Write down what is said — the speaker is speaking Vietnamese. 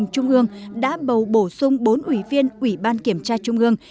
trung ương đã bầu bổ sung bốn ủy viên ủy ban kiểm tra trung ương